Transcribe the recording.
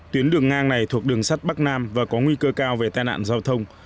tuyến đường ngang này thuộc đường sắt bắc nam và có nguy cơ cao về tai nạn giao thông